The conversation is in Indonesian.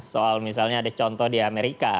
soal misalnya ada contoh di amerika